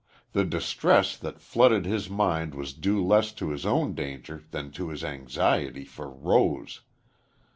The distress that flooded his mind was due less to his own danger than to his anxiety for Rose.